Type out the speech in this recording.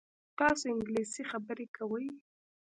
تاسو انګلیسي خبرې کوئ؟